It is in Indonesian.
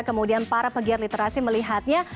kemudian para pegiat literasi melihatnya